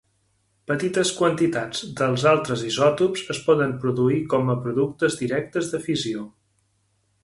Petites quantitats dels altres isòtops es poden produir com a productes directes de fissió.